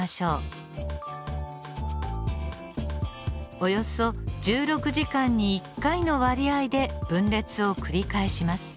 およそ１６時間に１回の割合で分裂を繰り返します。